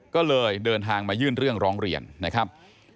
ก็เลยเดินทางมายื่นเรื่องร้องเรียนนะครับ